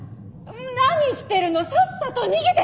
何してるのさっさと逃げて！